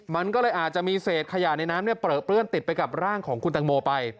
มันก็เลยอาจจะมีเศษขยะในน้ำเปลือเปื้อนติดไปกับร่างของคุณตังโมไป